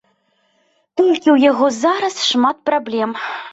Толькі ў яго зараз шмат праблем.